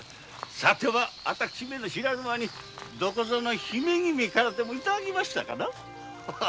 さては私めの知らぬ間にどこぞの姫君からでも頂きましたかな？